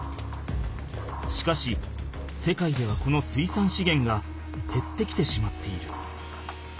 しかし世界ではこの水産資源がへってきてしまっている。